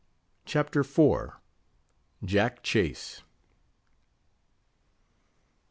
CHAPTER IV. JACK CHASE.